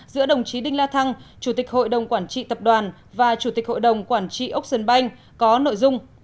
giữa đồng chí đinh la thăng chủ tịch hội đồng quản trị tập đoàn và chủ tịch hội đồng quản trị ốc sơn banh có nội dung